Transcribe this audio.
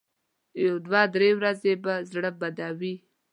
یو دوه درې ورځې به زړه بدې وي.